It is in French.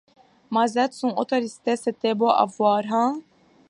Mazette, son autorité, c’était beau à voir, hein !